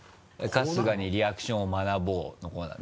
春日にリアクションを学ぼうのコーナー。